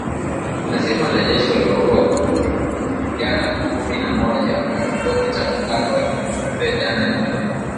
Amesema wanajeshi waliwaua wapiganaji kumi na moja wa Kikosi cha Muungano wa Kidemokrasia jana Jumanne.